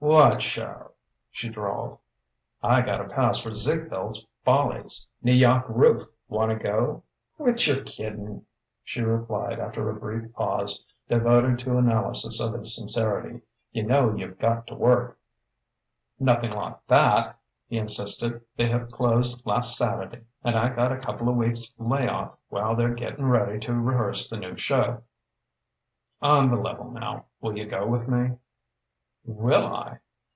"What show?" she drawled. "I gotta pass for Ziegfield's Follies N'Yawk Roof. Wanta go?" "Quit your kidding," she replied after a brief pause devoted to analysis of his sincerity. "Y' know you've got to work." "Nothin' like that!" he insisted. "The Hip closed last Sat'dy and I got a coupla weeks lay off while they're gettin' ready to rehearse the new show. On the level, now: will you go with me?" "Will I!"